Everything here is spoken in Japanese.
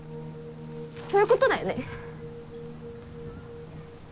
そういうことだよね！